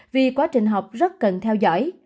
vì quá trình học rất cần theo dõi